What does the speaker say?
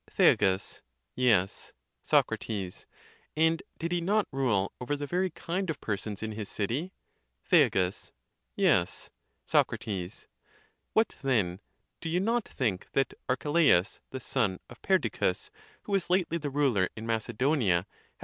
Thea. Yes. Soc. And did he not rule over the very kind of persons in his city ? Thea. Yes. Soc. What then, do you not think that Archelaus,! the son of Perdiccas, who was lately? the ruler in Macedonia, had.